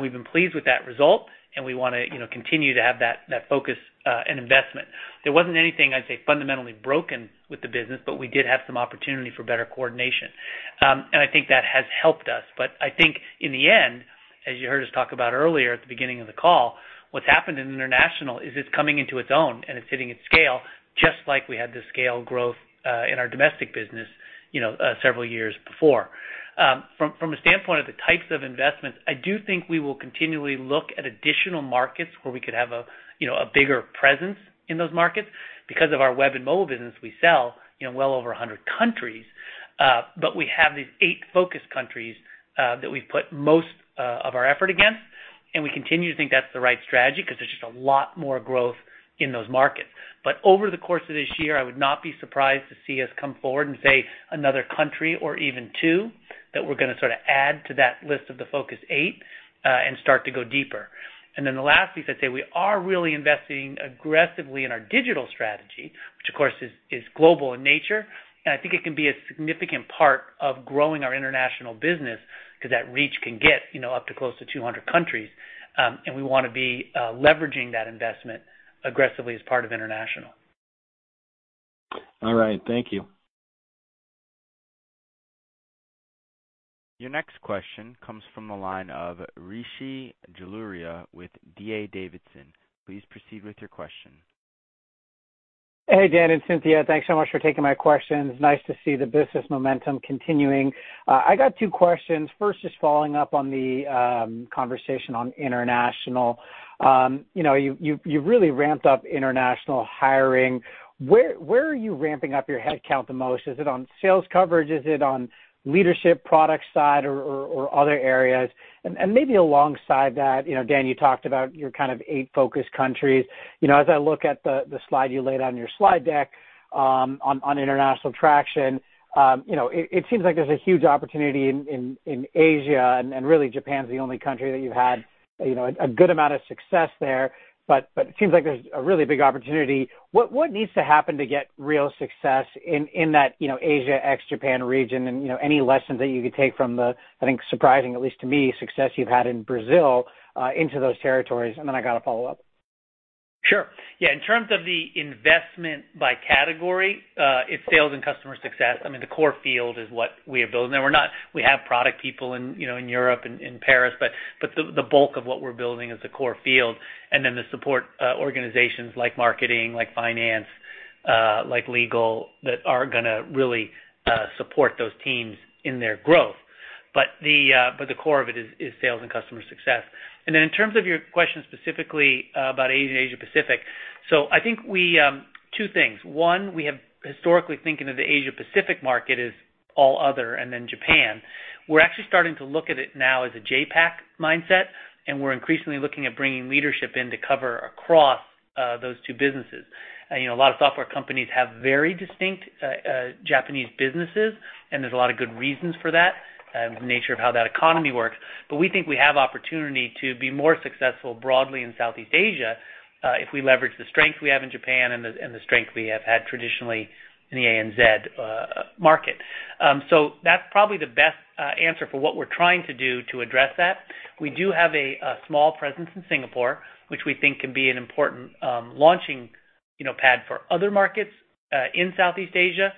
We've been pleased with that result, we want to continue to have that focus, investment. There wasn't anything I'd say fundamentally broken with the business, but we did have some opportunity for better coordination. I think that has helped us. I think in the end, as you heard us talk about earlier at the beginning of the call, what's happened in international is it's coming into its own and it's hitting its scale, just like we had the scale growth in our domestic business several years before. From a standpoint of the types of investments, I do think we will continually look at additional markets where we could have a bigger presence in those markets because of our web and mobile business we sell, well over 100 countries. We have these eight focus countries that we've put most of our effort against, and we continue to think that's the right strategy because there's just a lot more growth in those markets. Over the course of this year, I would not be surprised to see us come forward and say another country or even two, that we're gonna add to that list of the Focus 8, start to go deeper. Then the last piece I'd say, we are really investing aggressively in our digital strategy, which of course is global in nature. I think it can be a significant part of growing our international business because that reach can get up to close to 200 countries. We want to be leveraging that investment aggressively as part of international. All right. Thank you. Your next question comes from the line of Rishi Jaluria with D.A. Davidson. Please proceed with your question. Hey, Dan and Cynthia. Thanks so much for taking my questions. Nice to see the business momentum continuing. I got two questions. First, just following up on the conversation on international. You've really ramped up international hiring. Where are you ramping up your headcount the most? Is it on sales coverage? Is it on leadership product side or other areas? Maybe alongside that, Dan, you talked about your kind of 8 focus countries. As I look at the slide you laid out in your slide deck, on international traction, it seems like there's a huge opportunity in Asia and really Japan's the only country that you've had a good amount of success there. It seems like there's a really big opportunity. What needs to happen to get real success in that Asia ex-Japan region? Any lessons that you could take from the, I think surprising, at least to me, success you've had in Brazil, into those territories, and then I got a follow-up. Sure. Yeah, in terms of the investment by category, it's sales and customer success. I mean, the core field is what we have built. We have product people in Europe and in Paris, the bulk of what we're building is the core field, and then the support organizations like marketing, like finance, like legal, that are gonna really support those teams in their growth. The core of it is sales and customer success. In terms of your question specifically about Asia and Asia Pacific, I think two things. One, we have historically thinking of the Asia Pacific market as all other and then Japan. We're actually starting to look at it now as a JPAC mindset, and we're increasingly looking at bringing leadership in to cover across those two businesses. A lot of software companies have very distinct Japanese businesses, and there's a lot of good reasons for that, the nature of how that economy works. We think we have opportunity to be more successful broadly in Southeast Asia, if we leverage the strength we have in Japan and the strength we have had traditionally in the ANZ market. That's probably the best answer for what we're trying to do to address that. We do have a small presence in Singapore, which we think can be an important launching pad for other markets in Southeast Asia.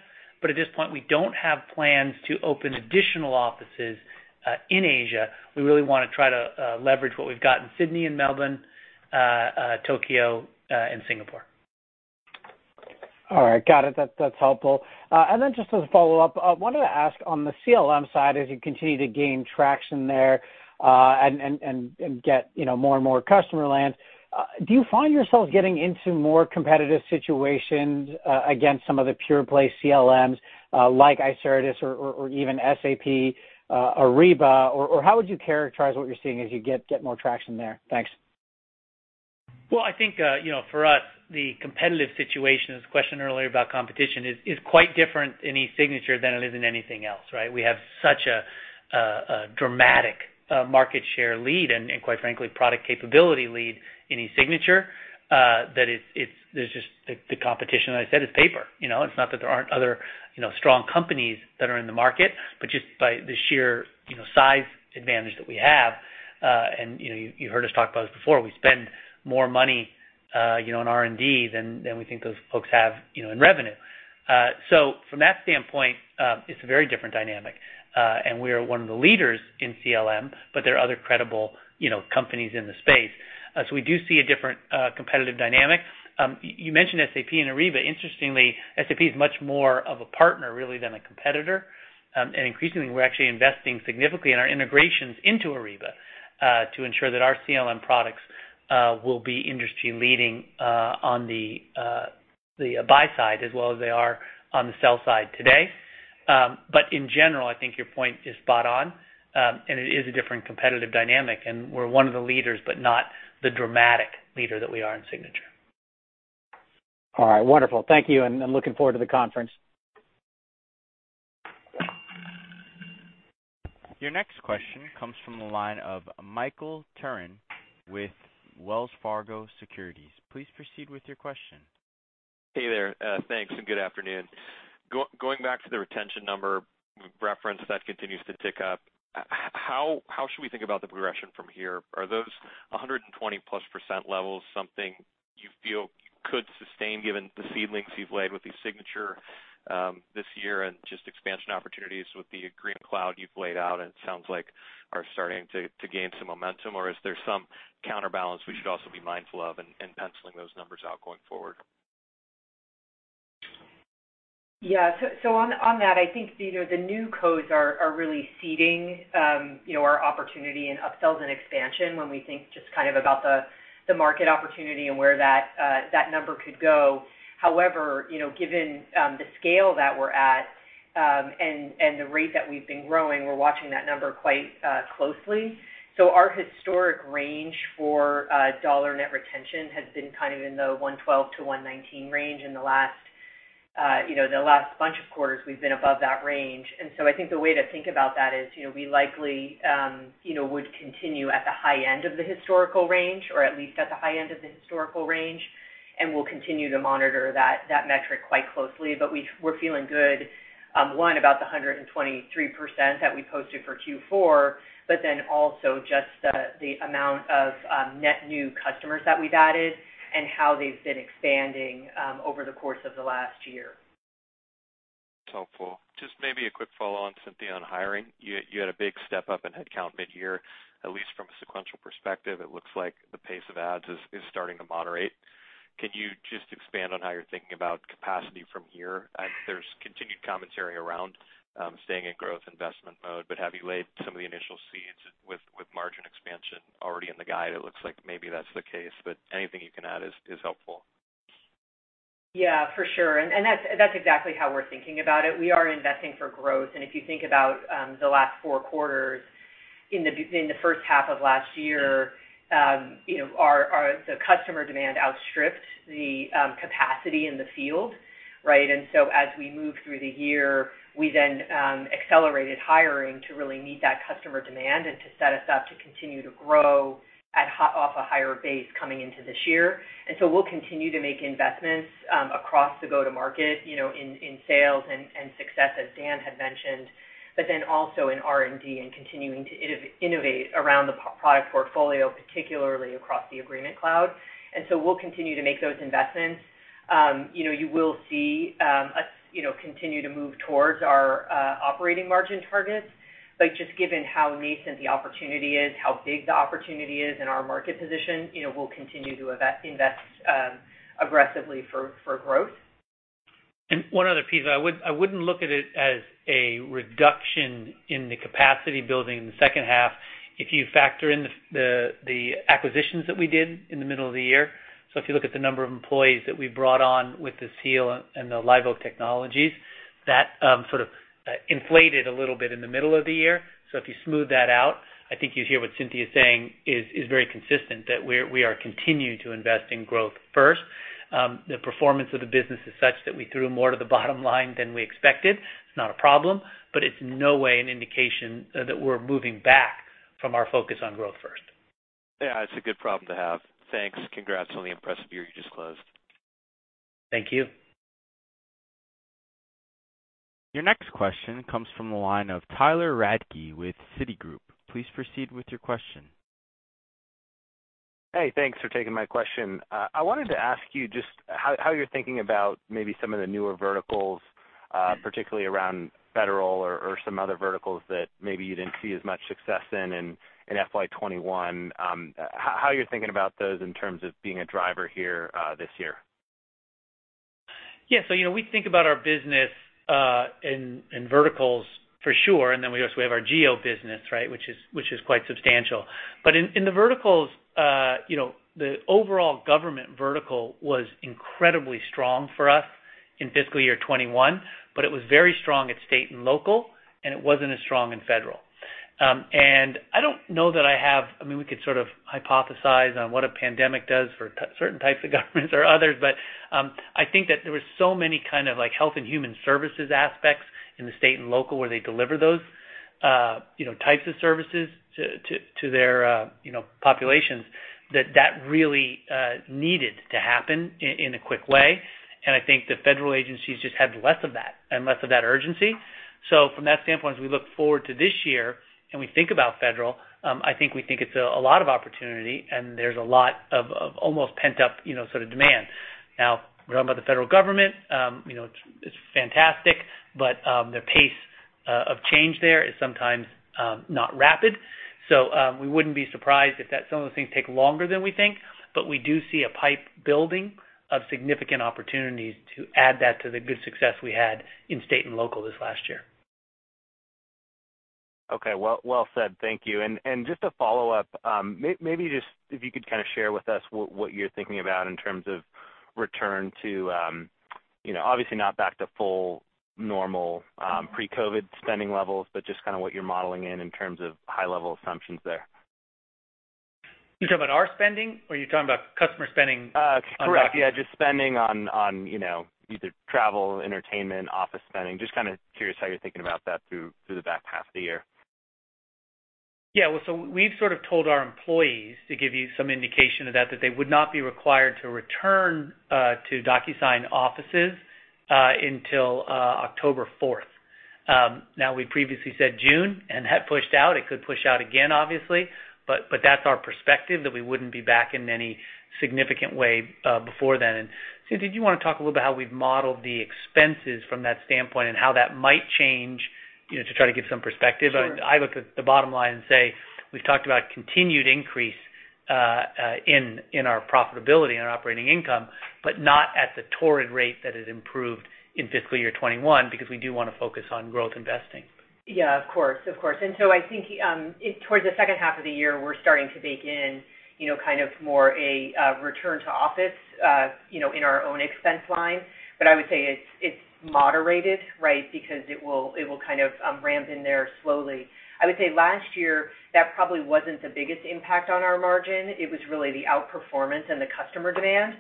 At this point, we don't have plans to open additional offices in Asia. We really want to try to leverage what we've got in Sydney and Melbourne, Tokyo, and Singapore. All right. Got it. That's helpful. Just as a follow-up, I wanted to ask on the CLM side, as you continue to gain traction there, and get more and more customer land, do you find yourselves getting into more competitive situations, against some of the pure play CLMs, like Icertis or even SAP, Ariba, or how would you characterize what you're seeing as you get more traction there? Thanks. I think, for us, the competitive situation, this question earlier about competition is quite different in eSignature than it is in anything else, right? We have such a dramatic market share lead and quite frankly, product capability lead in eSignature, that the competition, as I said, is paper. It's not that there aren't other strong companies that are in the market, but just by the sheer size advantage that we have, and you heard us talk about this before. We spend more money on R&D than we think those folks have in revenue. From that standpoint, it's a very different dynamic. We are one of the leaders in CLM, but there are other credible companies in the space. We do see a different competitive dynamic. You mentioned SAP and Ariba. Interestingly, SAP is much more of a partner, really, than a competitor. Increasingly, we're actually investing significantly in our integrations into Ariba, to ensure that our CLM products will be industry leading on the buy side as well as they are on the sell side today. In general, I think your point is spot on. It is a different competitive dynamic, and we're one of the leaders, but not the dramatic leader that we are in signature. All right. Wonderful. Thank you, and I'm looking forward to the conference. Your next question comes from the line of Michael Turrin with Wells Fargo Securities. Please proceed with your question. Hey there. Thanks and good afternoon. Going back to the retention number referenced that continues to tick up, how should we think about the progression from here? Are those 120%+ levels something you feel could sustain given the seedlings you've laid with the signature this year and just expansion opportunities with the Agreement Cloud you've laid out and it sounds like are starting to gain some momentum, or is there some counterbalance we should also be mindful of in penciling those numbers out going forward? On that, I think the new codes are really seeding our opportunity in upsells and expansion when we think just kind of about the market opportunity and where that number could go. However, given the scale that we're at, and the rate that we've been growing, we're watching that number quite closely. Our historic range for dollar net retention has been kind of in the 112-119 range. In the last bunch of quarters, we've been above that range. I think the way to think about that is, we likely would continue at the high end of the historical range, or at least at the high end of the historical range, and we'll continue to monitor that metric quite closely. We're feeling good, one, about the 123% that we posted for Q4, also just the amount of net new customers that we've added and how they've been expanding over the course of the last year. That's helpful. Just maybe a quick follow-on, Cynthia, on hiring. You had a big step-up in headcount mid-year. At least from a sequential perspective, it looks like the pace of adds is starting to moderate. Can you just expand on how you're thinking about capacity from here? There's continued commentary around staying in growth investment mode. Have you laid some of the initial seeds with margin expansion already in the guide? It looks like maybe that's the case. Anything you can add is helpful. Yeah, for sure. That's exactly how we're thinking about it. We are investing for growth, and if you think about the last four quarters, in the first half of last year, the customer demand outstripped the capacity in the field, right? As we moved through the year, we accelerated hiring to really meet that customer demand and to set us up to continue to grow off a higher base coming into this year. We'll continue to make investments across the go-to-market, in sales and success, as Dan had mentioned, also in R&D and continuing to innovate around the product portfolio, particularly across the Agreement Cloud. We'll continue to make those investments. You will see us continue to move towards our operating margin targets. Just given how nascent the opportunity is, how big the opportunity is, and our market position, we'll continue to invest aggressively for growth. One other piece. I wouldn't look at it as a reduction in the capacity building in the second half if you factor in the acquisitions that we did in the middle of the year. If you look at the number of employees that we brought on with the Seal and the Liveoak Technologies, that sort of inflated a little bit in the middle of the year. If you smooth that out, I think you hear what Cynthia's saying is very consistent, that we are continuing to invest in growth first. The performance of the business is such that we threw more to the bottom line than we expected. It's not a problem, but it's no way an indication that we're moving back from our focus on growth first. Yeah, it's a good problem to have. Thanks. Congrats on the impressive year you just closed. Thank you. Your next question comes from the line of Tyler Radke with Citigroup. Please proceed with your question. Hey, thanks for taking my question. I wanted to ask you just how you're thinking about maybe some of the newer verticals, particularly around federal or some other verticals that maybe you didn't see as much success in FY 2021, how you're thinking about those in terms of being a driver here this year? Yeah. We think about our business in verticals for sure, and then we also have our geo business, right? Which is quite substantial. In the verticals, the overall government vertical was incredibly strong for us in fiscal year 2021, but it was very strong at state and local, and it wasn't as strong in federal. I don't know that I have I mean, we could sort of hypothesize on what a pandemic does for certain types of governments or others, but, I think that there were so many kind of health and human services aspects in the state and local, where they deliver those types of services to their populations that really needed to happen in a quick way. I think the federal agencies just had less of that, and less of that urgency. From that standpoint, as we look forward to this year and we think about Federal, I think we think it's a lot of opportunity, and there's a lot of almost pent-up sort of demand. Now, we're talking about the Federal government. It's fantastic, but the pace of change there is sometimes not rapid. We wouldn't be surprised if some of the things take longer than we think. We do see a pipe building of significant opportunities to add that to the good success we had in state and local this last year. Okay. Well said. Thank you. Just to follow up, maybe just if you could kind of share with us what you're thinking about in terms of return to, obviously not back to full normal pre-COVID spending levels, but just kind of what you're modeling in terms of high-level assumptions there? You're talking about our spending, or you're talking about customer spending on? Correct. Yeah, just spending on either travel, entertainment, office spending. Just kind of curious how you're thinking about that through the back half of the year. Yeah. We've sort of told our employees, to give you some indication of that they would not be required to return to DocuSign offices until October 4th. Now, we previously said June, and that pushed out. It could push out again, obviously, but that's our perspective, that we wouldn't be back in any significant way before then. Cynthia, do you want to talk a little bit how we've modeled the expenses from that standpoint and how that might change to try to give some perspective? Sure. I look at the bottom line and say we've talked about continued increase in our profitability and our operating income, but not at the torrid rate that it improved in fiscal year 2021, because we do want to focus on growth investing. Yeah, of course. I think towards the second half of the year, we're starting to bake in kind of more a return to office in our own expense line. I would say it's moderated, right? Because it will kind of ramp in there slowly. I would say last year, that probably wasn't the biggest impact on our margin. It was really the outperformance and the customer demand.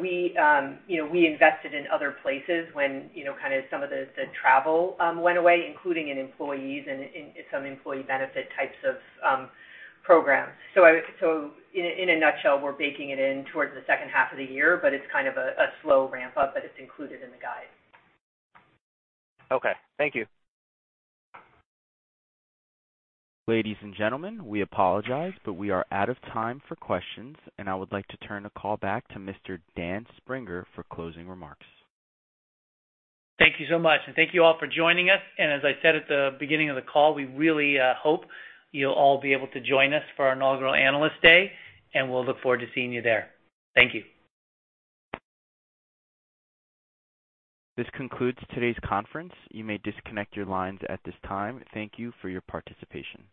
We invested in other places when kind of some of the travel went away, including in employees and some employee benefit types of programs. In a nutshell, we're baking it in towards the second half of the year, but it's kind of a slow ramp up, but it's included in the guide. Okay. Thank you. Ladies and gentlemen, we apologize, but we are out of time for questions, and I would like to turn the call back to Mr. Dan Springer for closing remarks. Thank you so much, and thank you all for joining us. As I said at the beginning of the call, we really hope you'll all be able to join us for our inaugural Analyst Day, and we'll look forward to seeing you there. Thank you. This concludes today's conference. You may disconnect your lines at this time. Thank you for your participation.